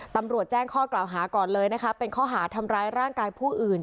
ตำรวจแจ้งข้อกล่าวหาก่อนเลยนะคะเป็นข้อหาทำร้ายร่างกายผู้อื่น